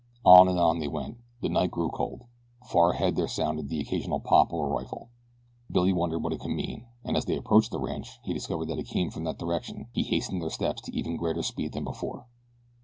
On and on they went. The night grew cold. Far ahead there sounded the occasional pop of a rifle. Billy wondered what it could mean and as they approached the ranch and he discovered that it came from that direction he hastened their steps to even greater speed than before.